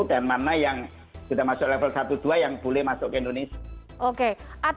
dan mana yang sudah masuk level satu dua yang boleh masuk ke indonesia